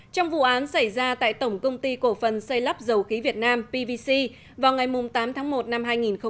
trong vụ án xảy ra tại tổng công ty cổ phần xây lắp dầu khí việt nam pvc vào ngày tám tháng một năm hai nghìn một mươi chín